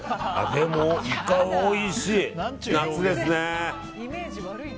でも、イカおいしい！